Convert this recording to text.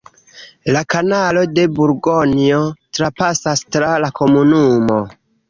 La kanalo de Burgonjo trapasas tra la komunumo.